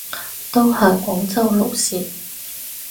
都係廣州路線